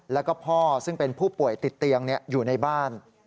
แล้วก็พ่อซึ่งเป็นผู้ป่วยติดเตียงอยู่ในบ้าน